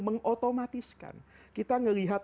mengotomatiskan kita melihat